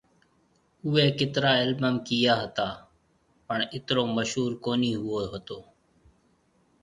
اوئي ڪترا البم ڪيئا ھتا پڻ اترو مشھور ڪونھيَََ ھوئو ھتو